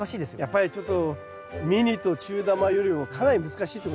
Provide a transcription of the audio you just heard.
やっぱりちょっとミニと中玉よりもかなり難しいってことになりますね。